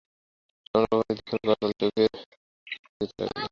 চন্দ্রবাবু নিজের দক্ষিণ করতল চোখের অত্যন্ত কাছে লইয়া নিরীক্ষণ করিয়া দেখিতে লাগিলেন।